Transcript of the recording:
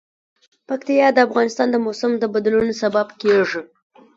پکتیا د افغانستان د موسم د بدلون سبب کېږي.